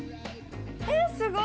えっすごい！